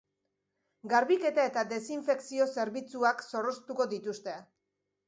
Garbiketa eta desinfekzio zerbitzuak zorroztuko dituzte.